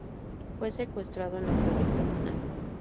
Fue secuestrado en el trayecto final.